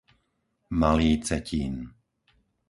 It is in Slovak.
Malý Cetín